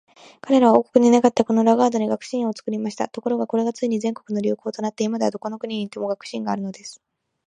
彼等は国王に願って、このラガードに学士院を作りました。ところが、これがついに全国の流行となって、今では、どこの町に行っても学士院があるのです。